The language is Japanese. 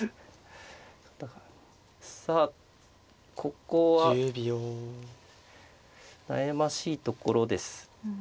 さあここは悩ましいところです。